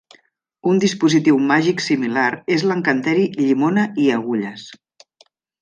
Un dispositiu màgic similar és l'encanteri "llimona i agulles".